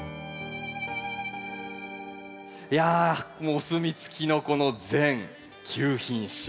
いやもうお墨付きのこの全９品種。